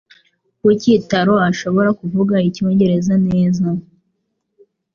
Kuki Taro ashobora kuvuga icyongereza neza?